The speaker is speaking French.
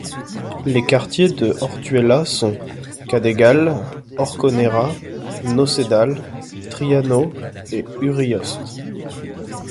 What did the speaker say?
Les quartiers de Ortuella sont: Cadegal, Orconera, Nocedal, Triano et Urioste.